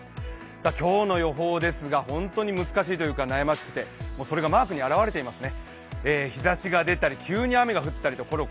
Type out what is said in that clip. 今日の予報ですが本当に難しいというか悩ましくてそれがマークに表れてますね。